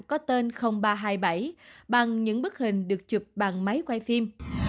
có tên ba trăm hai mươi bảy bằng những bức hình được chụp bằng máy quay phim